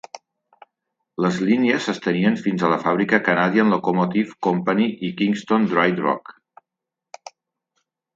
Les línies s'estenien fins a la fàbrica Canadian Locomotive Company i Kingston Dry Dock.